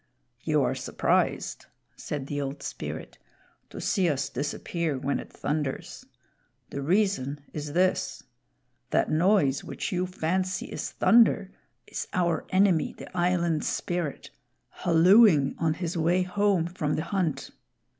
"You are surprised," said the Old Spirit, "to see us disappear when it thunders. The reason is this: that noise which you fancy is thunder is our enemy the Island Spirit hallooing on his way home from the hunt.